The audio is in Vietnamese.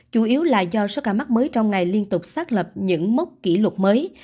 chủ yếu là do số ca mắc mới trong ngày liên tục xác lập những mốc kỷ lục mới